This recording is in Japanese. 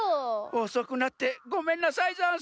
おそくなってごめんなさいざんす。